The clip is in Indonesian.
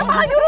eh apalah juru